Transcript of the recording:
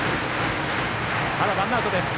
まだワンアウトです。